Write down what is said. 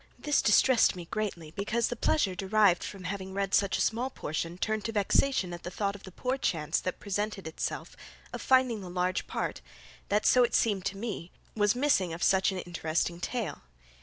This distressed me greatly, because the pleasure derived from having read such a small portion turned to vexation at the thought of the poor chance that presented itself of finding the large part that, so it seemed to me, was missing of such an interesting tale.